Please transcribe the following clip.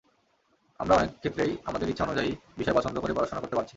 আমরা অনেক ক্ষেত্রেই আমাদের ইচ্ছা অনুযায়ী বিষয় পছন্দ করে পড়াশোনা করতে পারছি।